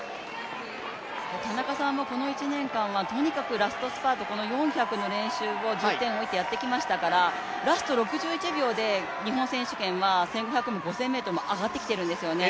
田中さんはこの１年間はとにかくラストスパートこの４００の練習に重点を置いてやってきましたからラスト６１秒で日本選手権は１５００も５０００ｍも上がってきているんですよね。